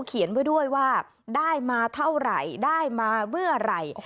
เขียนไว้ด้วยว่าได้มาเท่าไหร่ได้มาเมื่อไหร่